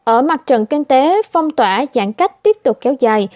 ở mặt trận kinh tế phong tỏa giãn cách tiếp tục kéo dài